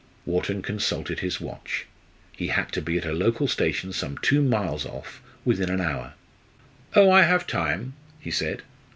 Wharton consulted his watch. He had to be at a local station some two miles off within an hour. "Oh! I have time," he said.